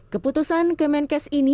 keputusan kemenkes ini